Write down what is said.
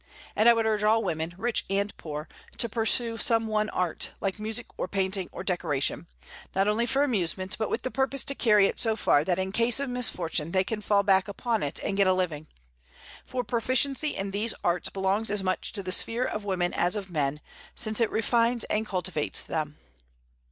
And I would urge all women, rich and poor, to pursue some one art, like music, or painting, or decoration, not only for amusement, but with the purpose to carry it so far that in case of misfortune they can fall back upon it and get a living; for proficiency in these arts belongs as much to the sphere of women as of men, since it refines and cultivates them.